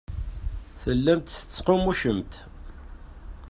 Tellamt tettqummucemt.